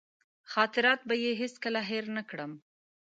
خاطرات به یې هېڅکله هېر نه کړم.